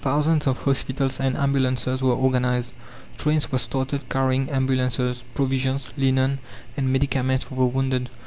Thousands of hospitals and ambulances were organized; trains were started carrying ambulances, provisions, linen, and medicaments for the wounded.